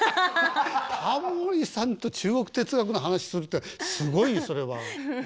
タモリさんと中国哲学の話するってすごいねそれは。